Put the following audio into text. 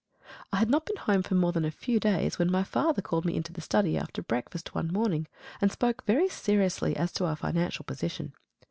I had not been at home more than a few days when my father called me into the study after breakfast one morning and spoke very seriously as to our financial position.